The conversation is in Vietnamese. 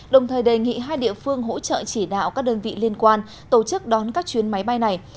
đồng thời đề nghị hai địa phương hỗ trợ chỉ đạo các đơn vị liên quan tổ chức đón các chuyến máy bay này